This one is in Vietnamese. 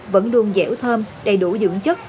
vẫn luôn dẻo thơm đầy đủ dưỡng chất